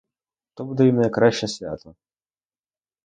То буде їм найкраще свято!